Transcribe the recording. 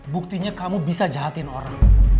buktinya kamu bisa jahatin orang